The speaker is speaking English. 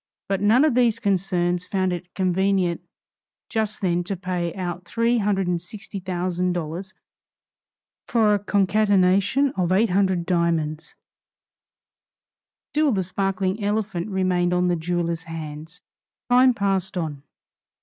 But none of these concerns found it convenient just then to pay out three hundred and sixty thousand dollars for a concatenation of eight hundred diamonds; and still the sparkling elephant remained on the jewelers' hands. Time passed on.